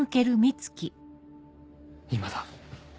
今だ